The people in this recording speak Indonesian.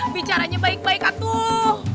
bicaranya baik baik atuh